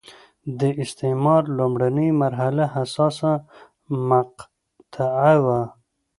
د استعمار لومړنۍ مرحله حساسه مقطعه وه.